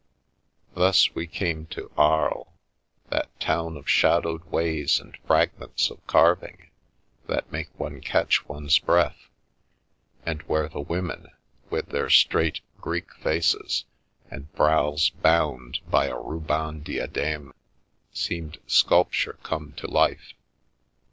Thus we came to Aries, that town of shadowed ways and fragments of carving that make one catch one's breath, and where the women, with their straight, Greek faces, and brows bound by a " ruban diadbme," seem sculpture come to life.